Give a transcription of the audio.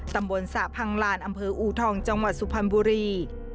ตำบลสระพังลานอำเภออูทองจังหวัดสุพรรณบุรี